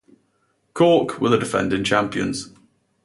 Cork were the defending champions.